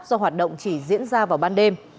do hoạt động chỉ diễn ra vào ban đêm